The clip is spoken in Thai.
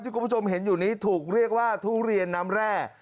คุณผู้ชมเห็นอยู่นี้ถูกเรียกว่าทุเรียนน้ำแร่